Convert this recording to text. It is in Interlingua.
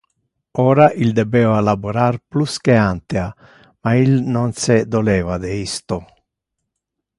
Ora il debeva laborar plus que antea, ma il non se doleva de isto.